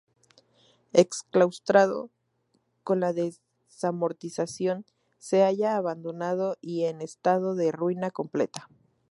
Exclaustrado con la Desamortización, se halla abandonado y en estado de ruina completa.